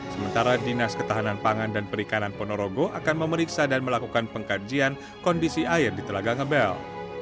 sementara dinas ketahanan pangan dan perikanan ponorogo akan memeriksa dan melakukan pengkajian kondisi air di telaga ngebel